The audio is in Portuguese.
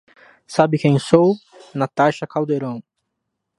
Sabe quem sou? Natasha Caldeirão